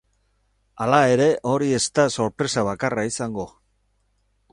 Hala ere, hori ez da sorpresa bakarra izango.